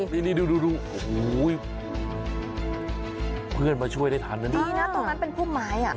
โอ้โฮพี่ดีนะตรงนั้นเปลี่ยนพุ่มไม้